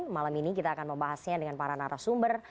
malam ini kita akan membahasnya dengan para narasumber